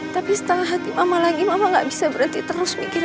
tapi setengah hati mama lagi mama gak bisa berarti terus mikirin